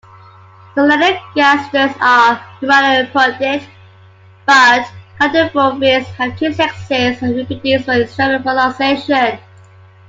Solenogasters are hermaphroditic, but caudofoveates have two sexes, and reproduce by external fertilization.